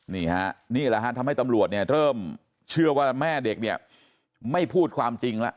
นี่แหละทำให้ตำรวจเริ่มเชื่อว่าแม่เด็กไม่พูดความจริงแล้ว